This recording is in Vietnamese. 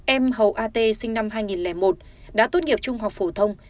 em hầu at sinh năm hai nghìn một đã tốt nghiệp trung học phổ thông